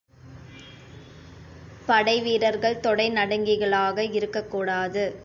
படைவீரர்கள் தொடை நடுங்கிகளாக இருக்கக் கூடாது.